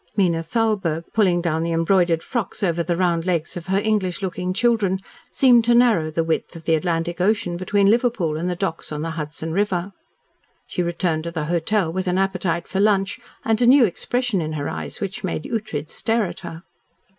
Mina Thalberg, pulling down the embroidered frocks over the round legs of her English looking children, seemed to narrow the width of the Atlantic Ocean between Liverpool and the docks on the Hudson River. She returned to the hotel with an appetite for lunch and a new expression in her eyes which made Ughtred stare at her.